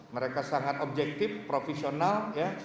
mereka sangat objektif profesional